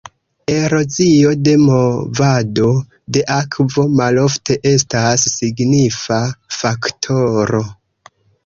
Erozio de movado de akvo malofte estas signifa faktoro.